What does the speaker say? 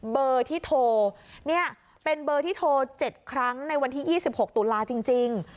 เบอร์ที่โทรเนี่ยเป็นเบอร์ที่โทร๗ครั้งในวันที่๒๖ตุลาจริง